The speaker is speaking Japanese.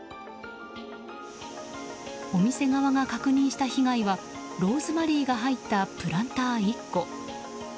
お店側が確認した被害はローズマリーが入ったプランター１個。